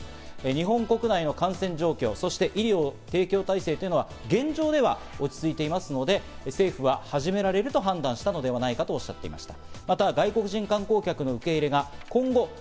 日本国内の感染状況、そして医療提供体制というのは現状では落ち着いていますので政府は始められると判断したのではないかとおっしゃっていました。